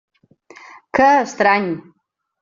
Que estrany.